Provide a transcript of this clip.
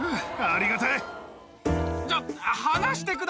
ありがたい。